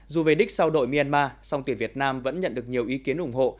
dù về đích sau đội myanmar song tuyển việt nam vẫn nhận được nhiều ý kiến ủng hộ